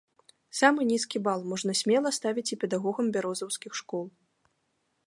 Самы нізкі бал можна смела ставіць і педагогам бярозаўскіх школ.